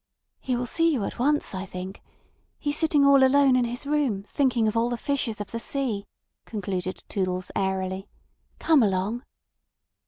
"He will see you at once, I think. He's sitting all alone in his room thinking of all the fishes of the sea," concluded Toodles airily. "Come along."